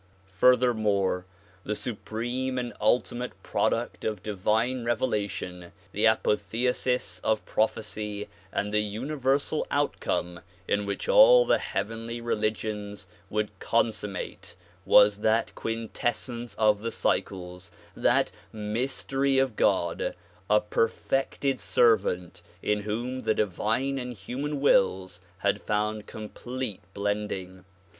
Furthermore, the supreme and ultimate product of divine revelation, the apotheosis of prophecy and the universal outcome in which all the heavenly religions would con summate was that quintessence of the cycles, that "Mystery of God," a perfected ''Servant" in whom the divine and human wills had found complete blending.